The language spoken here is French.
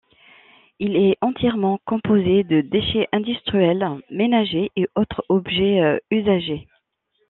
Il est entièrement composé de déchets industriels, ménagers et autres objets usagés.